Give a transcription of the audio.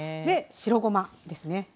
で白ごまですね。